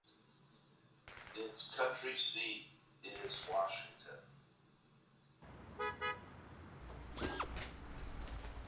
Its county seat is Washington.